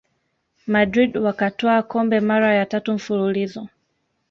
madrid wakatwaa kombe mara ya tatu mfululizo